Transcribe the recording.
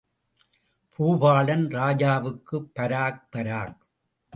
பூபாலன் ராஜாவுக்கு பராக்!... பராக்!